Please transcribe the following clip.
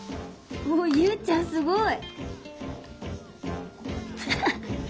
ユウちゃんすごい！